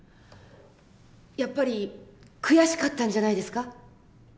やっぱり悔しかったんじゃないですか？